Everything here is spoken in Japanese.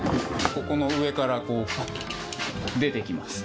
ここの上からこう出てきます。